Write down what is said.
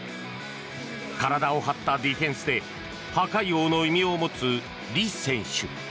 体を張ったディフェンスで破壊王の異名を持つリ選手。